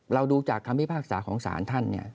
ดูจากคำพิพากษาของศาลท่านเนี่ย